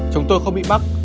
chồng tôi không bị mắc